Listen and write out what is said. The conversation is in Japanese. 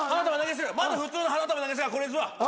まず普通の花束投げ捨てがこれですわ。